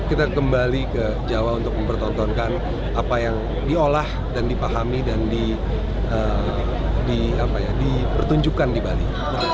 kita kembali ke jawa untuk mempertontonkan apa yang diolah dan dipahami dan dipertunjukkan di bali